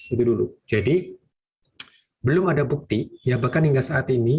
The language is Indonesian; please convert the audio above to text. itu dulu jadi belum ada bukti ya bahkan hingga saat ini